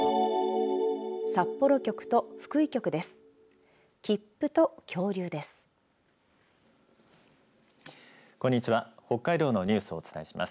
札幌局と福井局です。